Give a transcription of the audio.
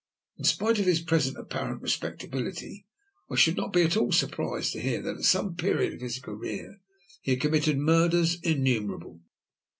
In spite of his present apparent respectability, I should not be at all surprised to hear that at some period of his career he had committed murders innumerable."